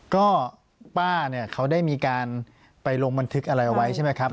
ก็ป้าเนี่ยเขาได้มีการไปลงบันทึกอะไรเอาไว้ใช่ไหมครับ